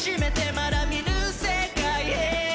まだ見ぬ世界へ